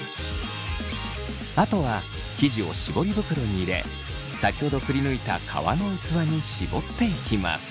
あとは生地を絞り袋に入れ先ほどくりぬいた皮の器に絞っていきます。